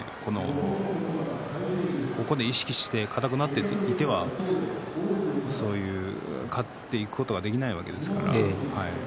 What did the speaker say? ここで意識して硬くなっていてはそういう勝っていくことはできないわけですから。